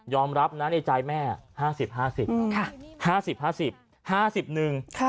รับนะในใจแม่ห้าสิบห้าสิบห้าสิบห้าสิบห้าสิบหนึ่ง